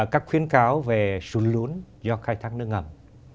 các khuyến cáo về sụn lún do khai thăng nước ngầm